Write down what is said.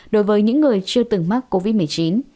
đối với những người chưa từng mắc covid một mươi chín